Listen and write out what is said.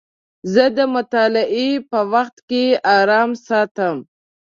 زه د مطالعې په وخت کې ارام ساتم.